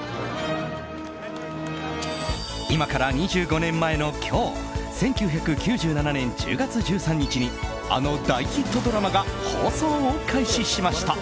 今から２５年前の今日１９９７年１０月１３日にあの大ヒットドラマが放送を開始しました。